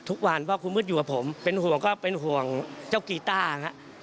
ทุกวันเพราะคุณมืดอยู่กับผมเป็นห่วงก็เป็นห่วงเจ้ากีต้าครับ